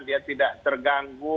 dia tidak terganggu